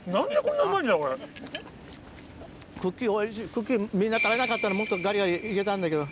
茎みんな食べなかったらもっとガリガリ入れたんだけど。